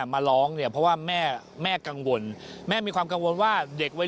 มาร้องเนี่ยเพราะว่าแม่แม่กังวลแม่มีความกังวลว่าเด็กวัย